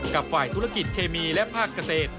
กับฝ่ายธุรกิจเคมีและภาคเกษตร